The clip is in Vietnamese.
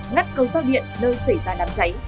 ngắt cầu giao điện nơi xảy ra đám cháy